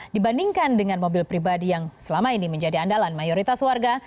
dibandingkan dengan mobil pribadi yang selama ini menjadi andalan mayoritas warga